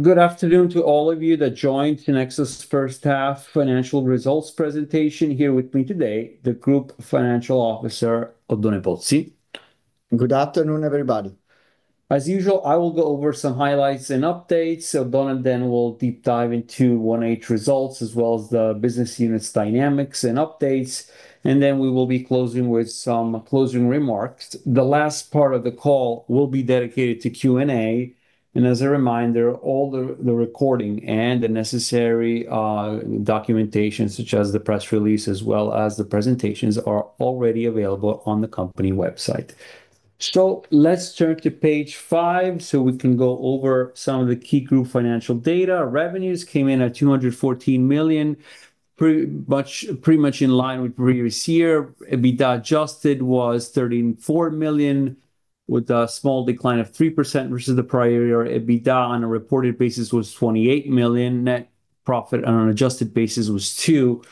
Good afternoon to all of you that joined Tinexta's first half financial results presentation. Here with me today, the Group Financial Officer, Oddone Pozzi. Good afternoon, everybody. As usual, I will go over some highlights and updates. Oddone then will deep dive into 1H results, as well as the business units' dynamics and updates. We will be closing with some closing remarks. The last part of the call will be dedicated to Q&A. As a reminder, all the recording and the necessary documentation, such as the press release as well as the presentations, are already available on the company website. Let's turn to page five so we can go over some of the key group financial data. Revenues came in at 214 million, pretty much in line with previous year. EBITDA adjusted was 34 million, with a small decline of 3% versus the prior year. EBITDA on a reported basis was 28 million. Net profit on an adjusted basis was 2.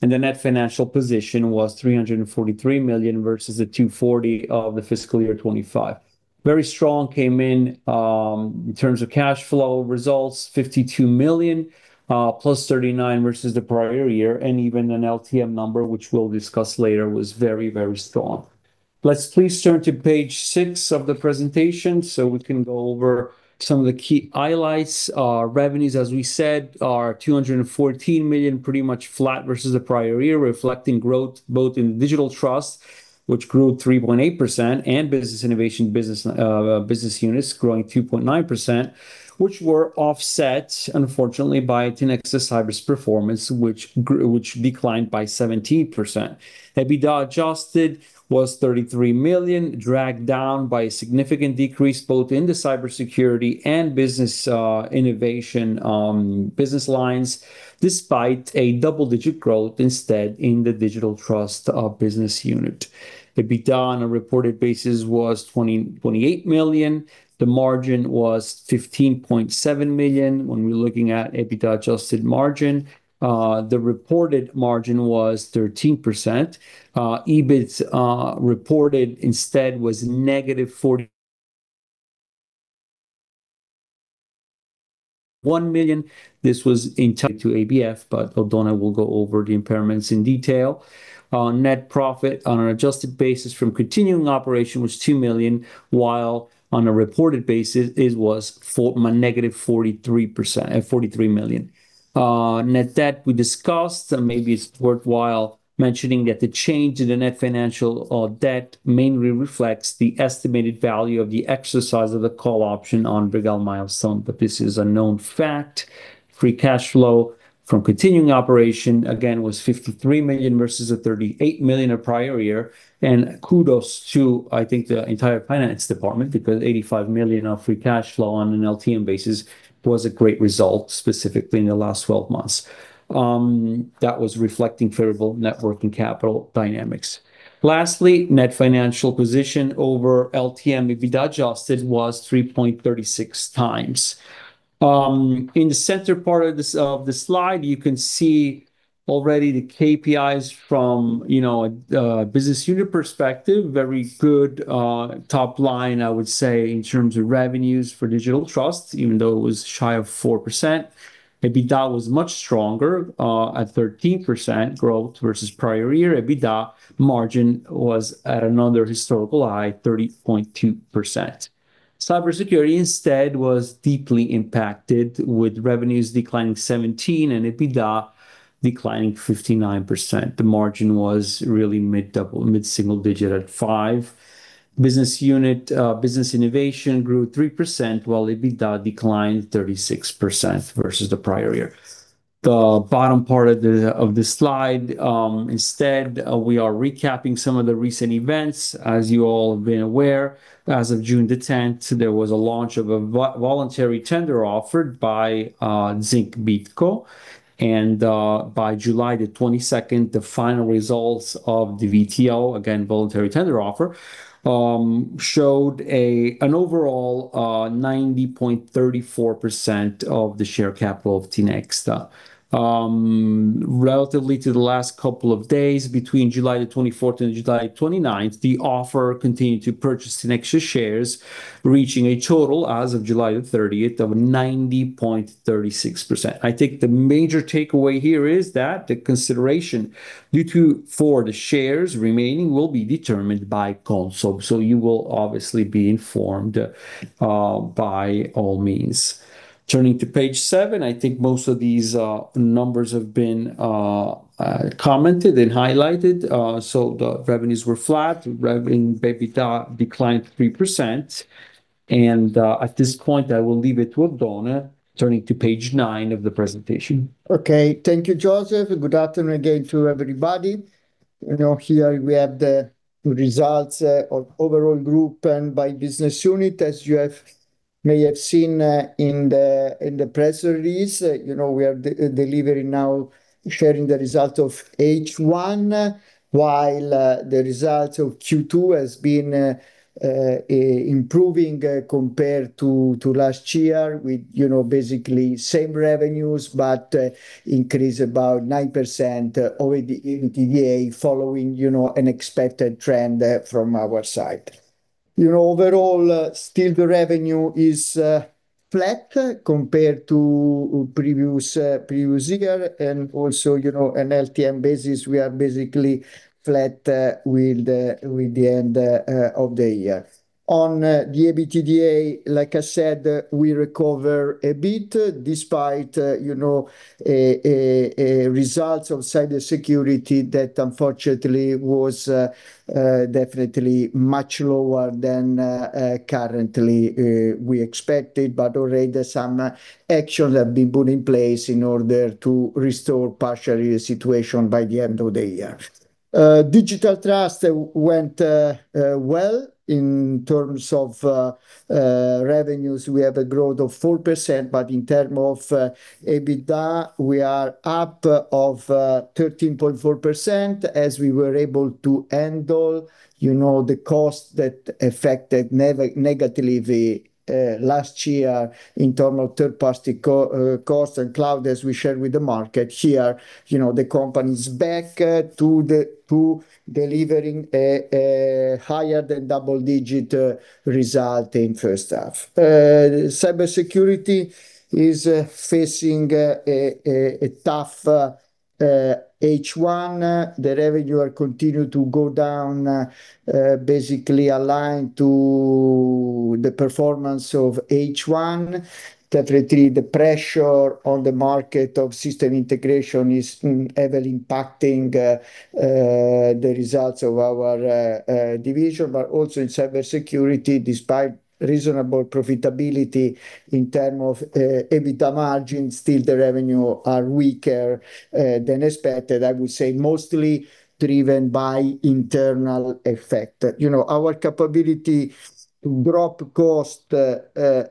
The net financial position was 343 million versus 240 million of fiscal year 2025. Very strong came in in terms of cash flow results, 52 million, +39 million versus the prior year. Even an LTM number, which we'll discuss later, was very, very strong. Let's please turn to page six of the presentation so we can go over some of the key highlights. Revenues, as we said, are 214 million, pretty much flat versus the prior year, reflecting growth both in Digital Trust, which grew 3.8%, and Business Innovation business units growing 2.9%, which were offset, unfortunately, by Tinexta Cyber's performance, which declined by 17%. EBITDA adjusted was 33 million, dragged down by a significant decrease both in the Cybersecurity and Business Innovation business lines, despite a double-digit growth, instead, in the Digital Trust business unit. EBITDA on a reported basis was 28 million. The margin was 15.7% when we're looking at EBITDA adjusted margin. The reported margin was 13%. EBIT reported instead was -41 million. This was entirely to ABF.Oddone will go over the impairments in detail. Net profit on an adjusted basis from continuing operation was 2 million, while on a reported basis it was -43 million. Net debt we discussed, and maybe it's worthwhile mentioning that the change in the net financial debt mainly reflects the estimated value of the exercise of the call option on Bregal Milestone. This is a known fact. Free cash flow from continuing operation again was 53 million versus the 38 million of prior year. Kudos to, I think, the entire finance department because 85 million of free cash flow on an LTM basis was a great result specifically in the last 12 months. That was reflecting favorable net working capital dynamics. Lastly, net financial position over LTM EBITDA adjusted was 3.36 times. In the center part of the slide, you can see already the KPIs from a business unit perspective. Very good top line, I would say, in terms of revenues for Digital Trust, even though it was shy of 4%. EBITDA was much stronger at 13% growth versus prior year. EBITDA margin was at another historical high, 30.2%. Cybersecurity, instead, was deeply impacted, with revenues declining 17% and EBITDA declining 59%. The margin was really mid-single digit at 5%. Business Innovation grew 3%, while EBITDA declined 36% versus the prior year. The bottom part of the slide, instead, we are recapping some of the recent events. As you all have been aware, as of June the 10th, there was a launch of a voluntary tender offered by Zinc BidCo, and by July the 22nd, the final results of the VTO, again, voluntary tender offer, showed an overall 90.34% of the share capital of Tinexta. Relatively to the last couple of days, between July 24th and July 29th, the offer continued to purchase Tinexta shares, reaching a total as of July 30th of 90.36%. I think the major takeaway here is that the consideration due for the shares remaining will be determined by CONSOB. You will obviously be informed by all means. Turning to page seven, I think most of these numbers have been commented and highlighted. The revenues were flat, revenue EBITDA declined 3%, and at this point I will leave it to Oddone, turning to page nine of the presentation. Okay. Thank you, Josef. Good afternoon again to everybody. Here we have the results of overall group and by business unit. As you may have seen in the press release, we are delivering now sharing the result of H1, while the results of Q2 has been improving compared to last year with basically same revenues but increase about 9% over the EBITDA following an expected trend from our side. Overall, still the revenue is flat compared to previous year, and also an LTM basis, we are basically flat with the end of the year. On the EBITDA, like I said, we recover a bit despite results of Cybersecurity that unfortunately was definitely much lower than currently we expected, but already some actions have been put in place in order to restore partially the situation by the end of the year. Digital Trust went well in terms of revenues. We have a growth of 4%, but in term of EBITDA, we are up of 13.4% as we were able to handle the cost that affected negatively last year in term of third party cost and cloud, as we shared with the market. Here, the company is back to delivering a higher-than-double-digit result in first half. Cybersecurity is facing a tough H1. The revenue continue to go down, basically aligned to the performance of H1. Definitely, the pressure on the market of system integration is heavily impacting the results of our division, but also in Cybersecurity, despite reasonable profitability in term of EBITDA margin, still the revenue are weaker than expected, I would say mostly driven by internal effect. Our capability to drop cost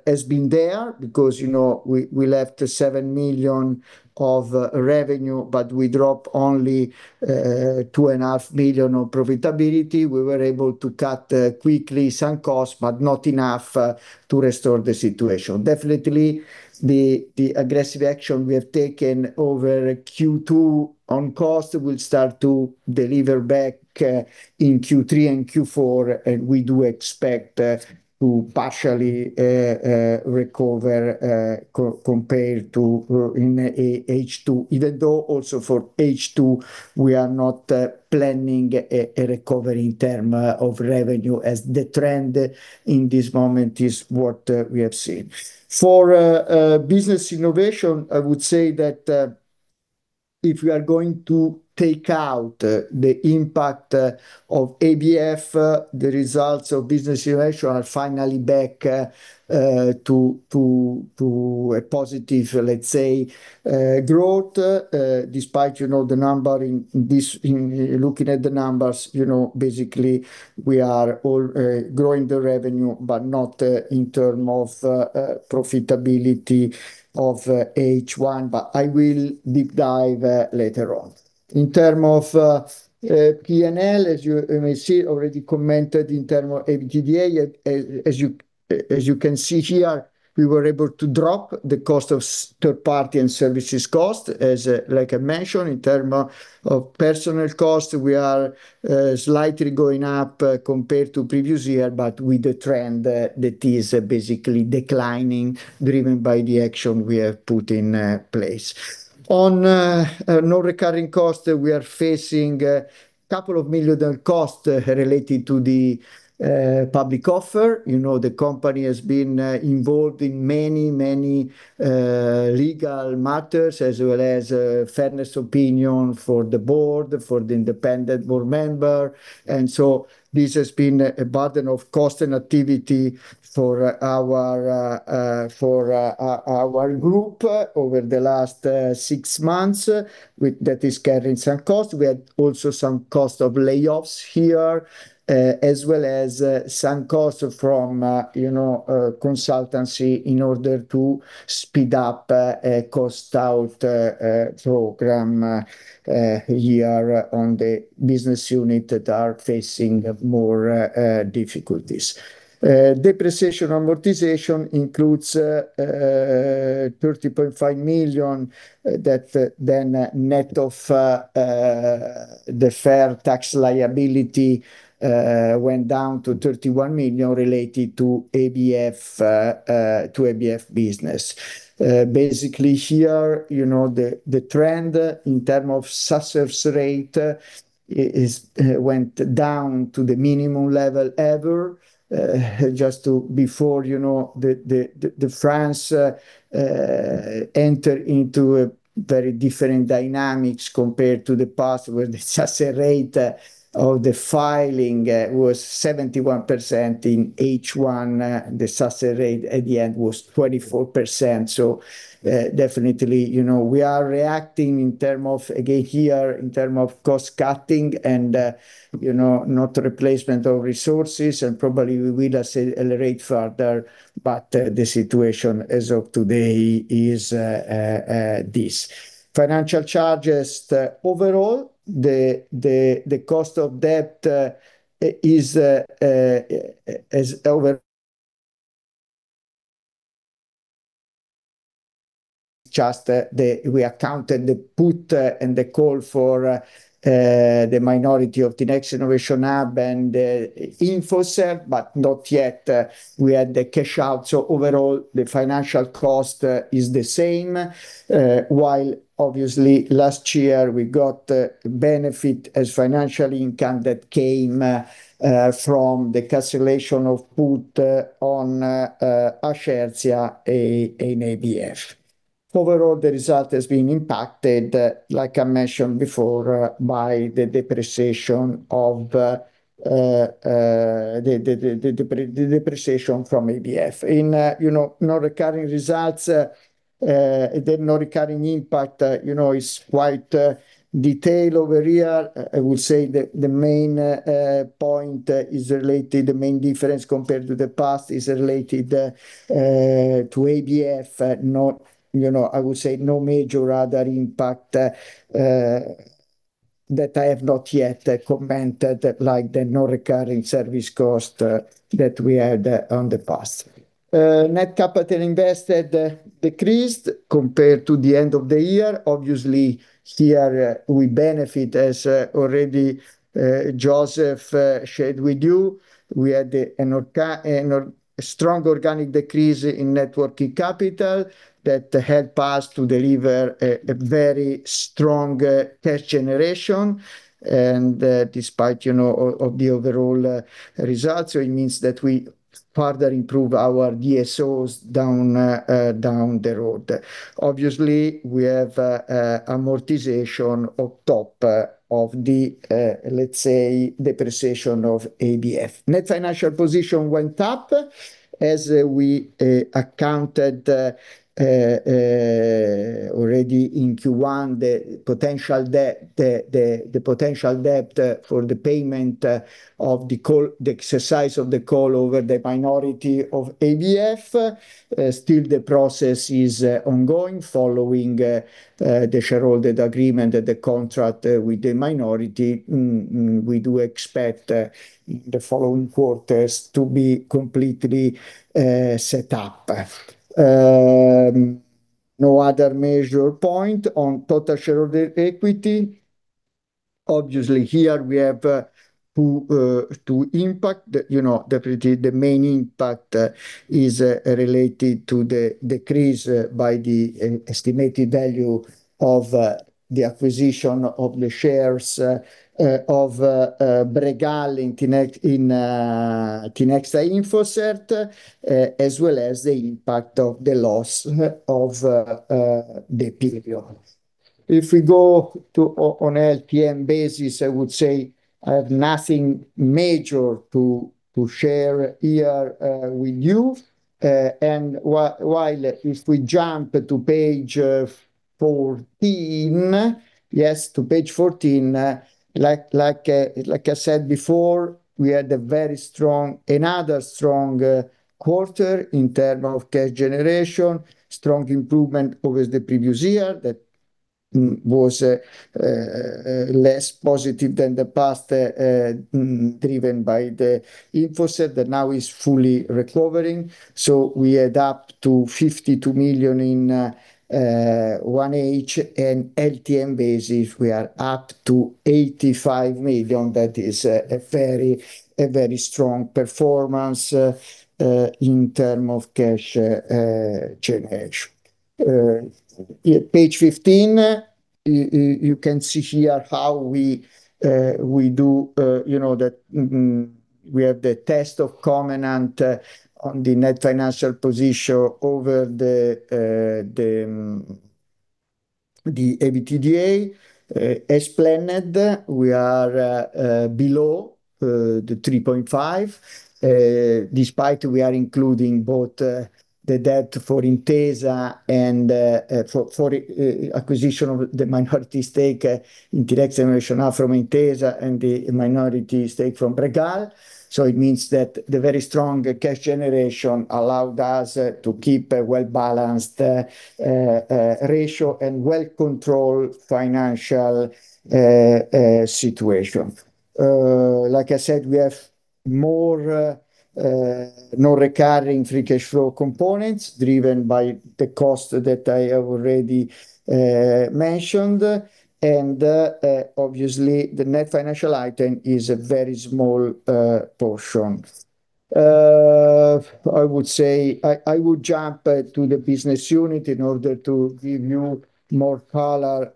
has been there because we left 7 million of revenue, but we drop only 2.5 million of profitability. We were able to cut quickly some costs, but not enough to restore the situation. Definitely, the aggressive action we have taken over Q2 on cost will start to deliver back in Q3 and Q4, and we do expect to partially recover compared to in H2. Even though also for H2, we are not planning a recovery in term of revenue as the trend in this moment is what we have seen. For Business Innovation, I would say that if we are going to take out the impact of ABF, the results of Business Innovation are finally back to a positive, let's say, growth, despite looking at the numbers, basically, we are all growing the revenue, but not in term of profitability of H1, but I will deep dive later on. In term of P&L, as you may see, already commented in term of EBITDA, as you can see here, we were able to drop the cost of third party and service costs, like I mentioned. In term of personal cost, we are slightly going up compared to previous year, but with the trend that is basically declining, driven by the action we have put in place. On non-recurring cost, we are facing couple of million EUR cost related to the public offer. The company has been involved in many legal matters as well as fairness opinion for the board, for the independent board member, and so this has been a burden of cost and activity for our group over the last six months that is carrying some cost. We had also some cost of layoffs here, as well as some cost from consultancy in order to speed up a cost out program here on the business unit that are facing more difficulties. Depreciation amortization includes EUR 30.5 million, then net of the fair tax liability went down to 31 million related to ABF business. Basically here, the trend in term of success rate went down to the minimum level ever, just to before the France enter into a very different dynamics compared to the past, where the success rate of the filing was 71% in H1; the success rate at the end was 24%. Definitely, we are reacting again here in term of cost cutting and not replacement of resources, and probably we will accelerate further, but the situation as of today is this. Financial charges overall: the cost of debt is over. Just that we accounted the put and the call for the minority of the Tinexta Innovation Hub and the Infocert, but not yet we had the cash out, overall, the financial cost is the same. While obviously last year we got benefit as financial income that came from the cancellation of put on Ascertia in ABF. Overall, the result has been impacted, like I mentioned before, by the depreciation from ABF. In non-recurring results, the non-recurring impact is quite detailed over here. I would say the main difference compared to the past is related to ABF. I would say no major other impact that I have not yet commented, like the non-recurring service cost that we had on the past. Net capital invested decreased compared to the end of the year. Obviously, here we benefit, as already Josef shared with you. We had a strong organic decrease in net working capital that helped us to deliver a very strong cash generation and despite of the overall results. It means that we further improve our DSOs down the road. Obviously, we have amortization on top of the, let's say, depreciation of ABF. Net financial position went up as we accounted already in Q1 the potential debt for the payment of the exercise of the call over the minority of ABF. Still, the process is ongoing following the shareholder agreement, the contract with the minority; we do expect the following quarters to be completely set up. No other major point on total shareholder equity. Obviously, here we have two impacts. The main impact is related to the decrease by the estimated value of the acquisition of the shares of Bregal in Tinexta Infocert, as well as the impact of the loss of the period. If we go on LTM basis, I would say I have nothing major to share here with you. While if we jump to page 14, like I said before, we had another strong quarter in term of cash generation, strong improvement over the previous year that was less positive than the past, driven by the Infocert that now is fully recovering. We add up to 52 million in 1H, and LTM basis, we are up to 85 million. That is a very strong performance in terms of cash generation. Page 15, you can see here we have the test of covenant on the net financial position over the EBITDA. As planned, we are below 3.5, despite we are including both the debt for Intesa and for acquisition of the minority stake in direct generation from Intesa and the minority stake from Bregal. It means that the very strong cash generation allowed us to keep a well-balanced ratio and a well-controlled financial situation. Like I said, we have more non-recurring free cash flow components driven by the cost that I have already mentioned; obviously the net financial item is a very small portion. I would jump to the business unit in order to give you more color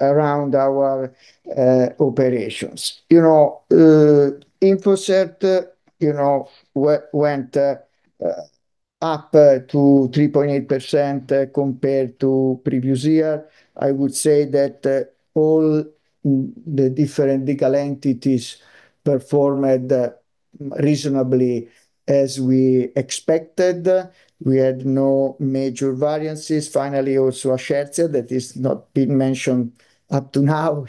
around our operations. Infosert went up to 3.8% compared to previous year. I would say that all the different legal entities performed reasonably as we expected; we had no major variances. Finally, also a share that has not been mentioned up to now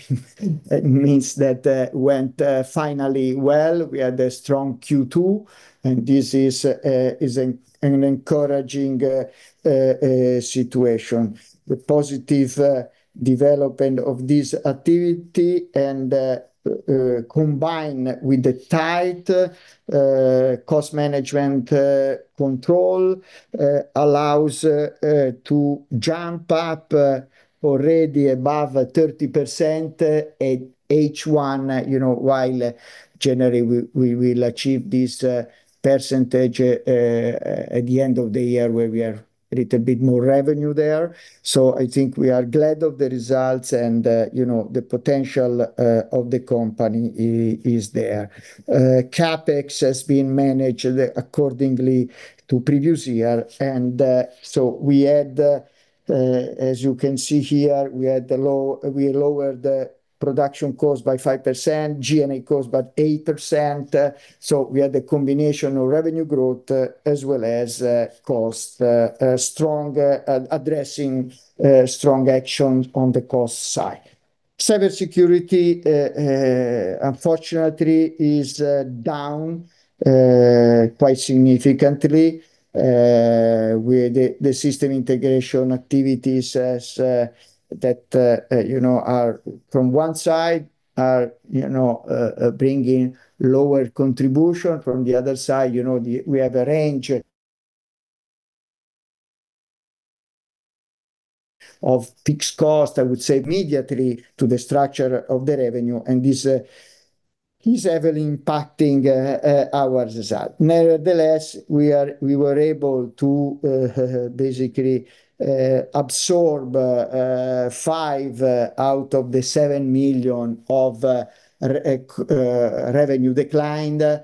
means that went finally well. We had a strong Q2, this is an encouraging situation. The positive development of this activity, combined with the tight cost management control, allows to jump up already above 30% at H1, while generally we will achieve this percentage at the end of the year where we have a little bit more revenue there. I think we are glad of the results and the potential of the company is there. CapEx has been managed accordingly to the previous year, as you can see here, we lowered the production cost by 5% and G&A cost by 8%. We had a combination of revenue growth as well as addressing strong action on the cost side. Cybersecurity, unfortunately, is down quite significantly, with the system integration activities as that from one side are bringing lower contribution. From the other side, we have a range of fixed cost, I would say, immediately to the structure of the revenue; this is heavily impacting our result. Nevertheless, we were able to basically absorb five out of the seven million of revenue decline.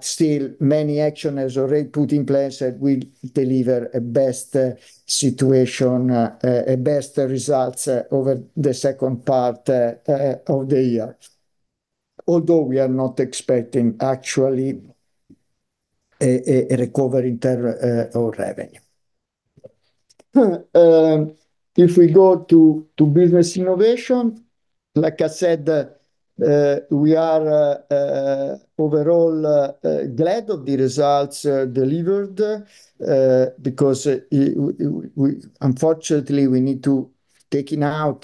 Still, many action has already put in place that will deliver a best situation, best results over the second part of the year, although we are not expecting actually a recovery in total revenue. If we go to Business Innovation, like I said, we are overall glad of the results delivered, because unfortunately, we need to taking out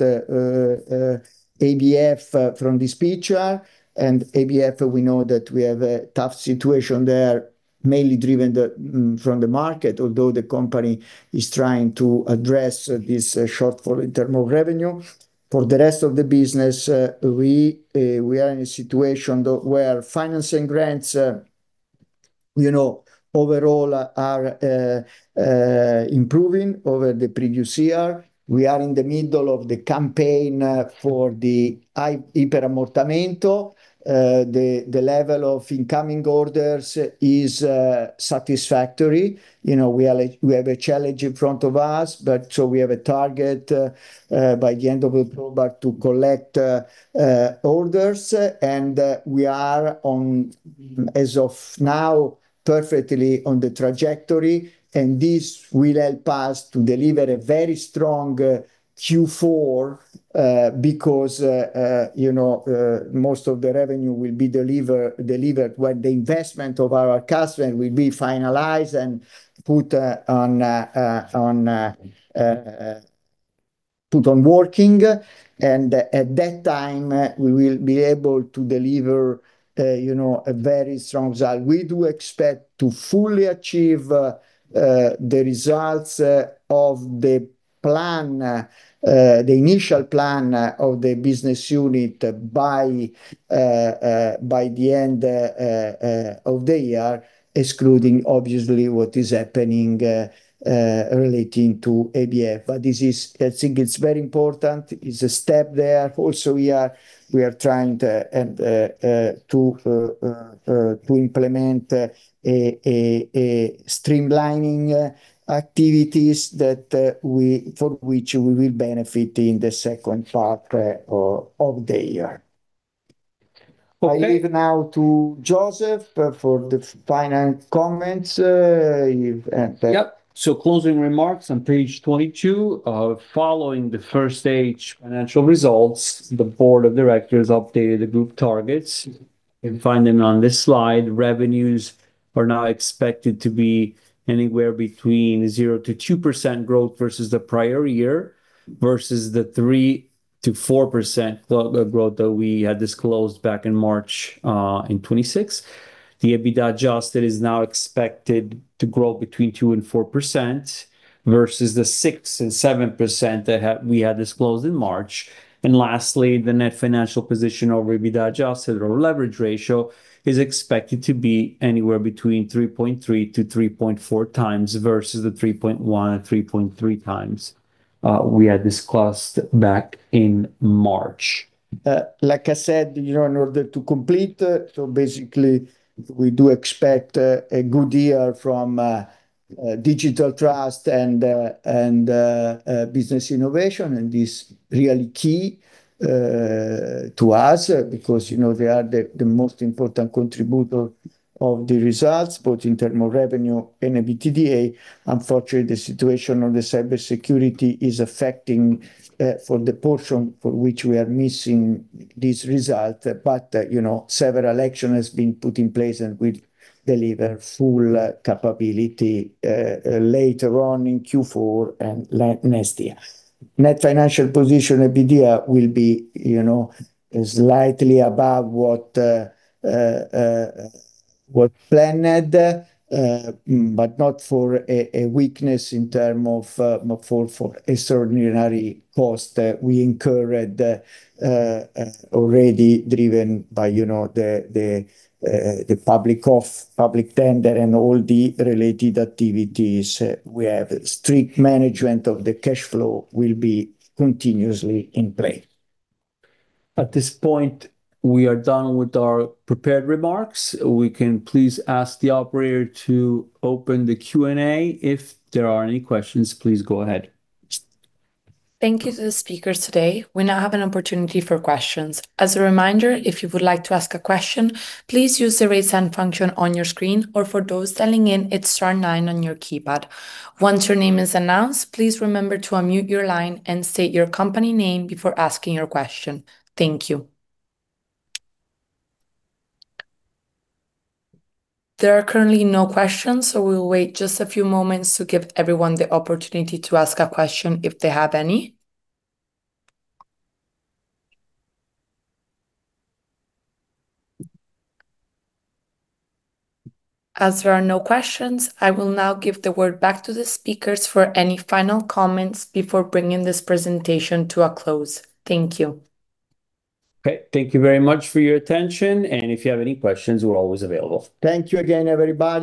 ABF from this picture, ABF, we know that we have a tough situation there, mainly driven from the market, although the company is trying to address this shortfall in total revenue. For the rest of the business, we are in a situation where financing grants overall are improving over the previous year. We are in the middle of the campaign for the Iperammortamento. The level of incoming orders is satisfactory. We have a challenge in front of us, we have a target by the end of October to collect orders, and we are, as of now, perfectly on the trajectory, and this will help us to deliver a very strong Q4, because most of the revenue will be delivered when the investment of our customer will be finalized and put on working, and at that time, we will be able to deliver a very strong result. We do expect to fully achieve the results of the initial plan of the business unit by the end of the year, excluding, obviously, what is happening relating to ABF. I think it's very important, it's a step there. Also, we are trying to implement a streamlining activities for which we will benefit in the second part of the year. Okay. I leave now to Josef for the finance comments. Thank you. Closing remarks on page 22. Following the first stage financial results, the board of directors updated the group targets. You can find them on this slide. Revenues are now expected to be anywhere between 0%-2% growth versus the prior year, versus the 3%-4% growth that we had disclosed back in March in 2026. The EBITDA adjusted is now expected to grow between 2%-4%, versus the 6%-7% that we had disclosed in March. Lastly, the net financial position or EBITDA adjusted or leverage ratio is expected to be anywhere between 3.3-3.4 times, versus the 3.1-3.3 times we had discussed back in March. Like I said, in order to complete, we do expect a good year from Digital Trust and Business Innovation, and this really key to us because they are the most important contributor of the results, both in terms of revenue and EBITDA. Unfortunately, the situation of the Cybersecurity is affecting for the portion for which we are missing this result. Several action has been put in place, and we deliver full capability later on in Q4 and next year. Net financial position EBITDA will be slightly above what planned, but not for a weakness in term of extraordinary cost that we incurred already driven by the public tender and all the related activities we have. Strict management of the cash flow will be continuously in play. At this point, we are done with our prepared remarks. We can please ask the operator to open the Q&A. If there are any questions, please go ahead. Thank you to the speakers today. We now have an opportunity for questions. As a reminder, if you would like to ask a question, please use the raise hand function on your screen, or for those dialing in, it's star nine on your keypad. Once your name is announced, please remember to unmute your line and state your company name before asking your question. Thank you. There are currently no questions, so we will wait just a few moments to give everyone the opportunity to ask a question if they have any. As there are no questions, I will now give the word back to the speakers for any final comments before bringing this presentation to a close. Thank you. Okay. Thank you very much for your attention, and if you have any questions, we're always available. Thank you again, everybody